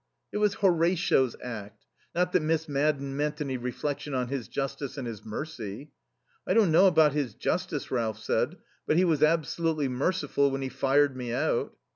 "It was Horatio's act. Not that Miss Madden meant any reflection on his justice and his mercy." "I don't know about his justice," Ralph said. "But he was absolutely merciful when he fired me out."